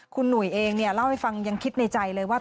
คุณหนุ่ยเองเนี่ยเล่าให้ฟังยังคิดในใจเลยว่า